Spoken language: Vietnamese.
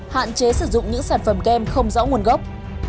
hạn chế sử dụng những sản phẩm kem không rõ nguồn gốc